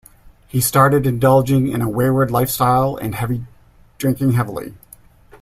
He started indulging in a wayward lifestyle and drinking heavily.